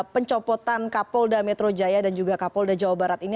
pencopotan kapolda metro jaya dan juga kapolda jawa barat ini